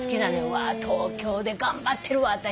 わー東京で頑張ってるわ私。